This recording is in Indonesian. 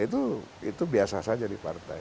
itu biasa saja di partai